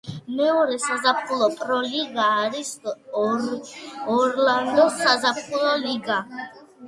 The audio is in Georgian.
მეორე საზაფხულო პრო ლიგა არის ორლანდოს საზაფხულო ლიგა.